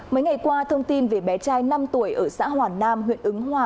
mấy ngày qua thông tin về bé trai năm tuổi ở xã hòa nam huyện ứng hòa